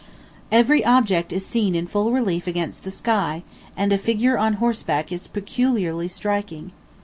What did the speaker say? Every object is seen in full relief against the sky, and a figure on horseback is peculiarly striking.